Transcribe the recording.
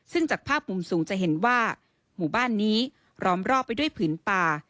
ซึ่งจากภาพมุมสูงจะเห็นว่าหมู่บ้านนี้ล้อมรอบไปด้วยผืนป่า